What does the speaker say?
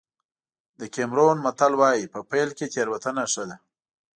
د کېمرون متل وایي په پيل کې تېروتنه ښه ده.